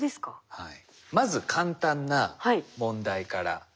はい。